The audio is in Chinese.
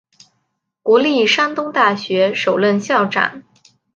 国立山东大学首任校长。